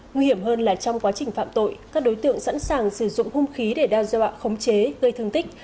nguy hiểm hơn là trong quá trình phạm tội các đối tượng sẵn sàng sử dụng hung khí để đe dọa khống chế gây thương tích